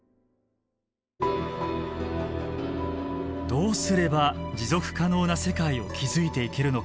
どうすれば持続可能な世界を築いていけるのか。